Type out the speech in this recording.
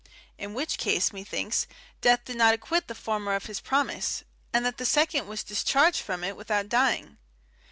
In which case, methinks, death did not acquit the former of his promise, and that the second was discharged from it without dying.